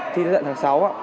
thi dựng tháng sáu